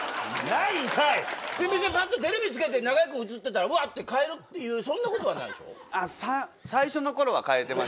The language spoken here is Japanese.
ぱっとテレビつけて中居君映ってたらうわって変えるっていうそんなことはないでしょ？